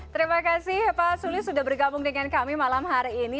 terima kasih pak sulis sudah bergabung dengan kami malam hari ini